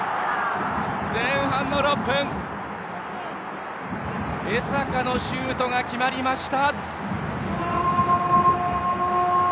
前半の６分江坂のシュートが決まりました！